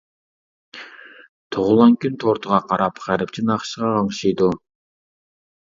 تۇغۇلغان كۈن تورتىغا قاراپ غەربچە ناخشىغا غىڭشىيدۇ.